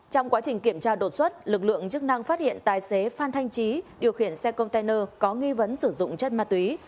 trong quá trình kiểm tra đột xuất lực lượng chức năng phát hiện tài xế phan thanh trí điều khiển xe container có nghi vấn sử dụng chất ma túy